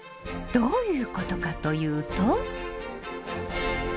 どういうことかというと。